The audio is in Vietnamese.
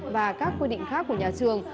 và các quy định khác của nhà trường